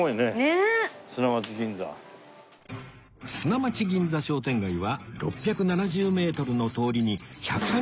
砂町銀座商店街は６７０メートルの通りに１３０軒以上のお店がひしめく